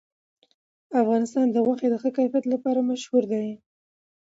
افغانستان د غوښې د ښه کیفیت لپاره مشهور دی.